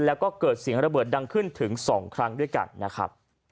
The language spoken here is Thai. แล้วก็เกิดเสียงระเบิดดังขึ้นถึง๒ครั้งด้วยกันนะครับ